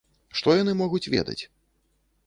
Што яны могуць ведаць?